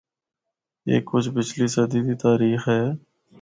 اے کجھ پچھلی صدی دی تاریخ اے۔